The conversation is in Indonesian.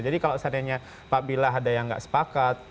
jadi kalau seandainya pak abdillah ada yang tidak sepakat